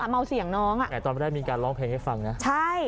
เมาเสียงน้องอ่ะไหนตอนแรกมีการร้องเพลงให้ฟังนะใช่